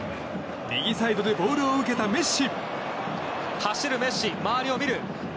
右サイドでボールを受けたメッシ。